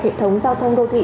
hệ thống giao thông đô thị